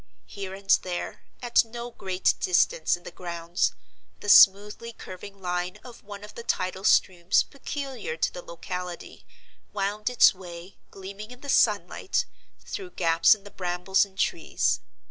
Here and there, at no great distance in the grounds, the smoothly curving line of one of the tidal streams peculiar to the locality wound its way, gleaming in the sunlight, through gaps in the brambles and trees.